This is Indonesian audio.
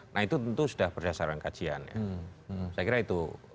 nah itu tentu sudah berdasarkan kajian ya saya kira itu